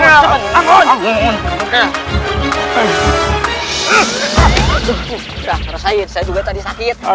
saya melihat orang orang melakukannya dengan kejutan seperti saja